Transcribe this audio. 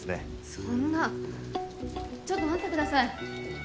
そんなちょっと待ってください